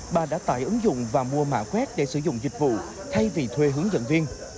bà đã tải ứng dụng và mua mã quét để sử dụng dịch vụ thay vì thuê hướng dẫn viên